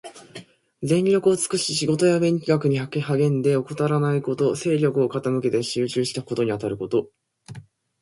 全力を尽くし仕事や勉学に励んで、怠らないこと。精力を傾けて集中して事にあたること。